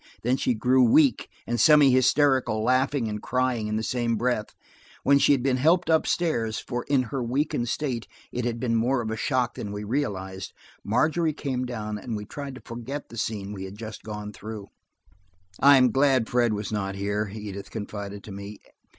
Then she grew weak and semi hysterical, laughing and crying in the same breath. When she had been helped upstairs, for in her weakened state it had been more of a shock than we realized, Margery came down and we tried to forget the scene we had just gone through. "I am glad Fred was not here," Edith confided to me.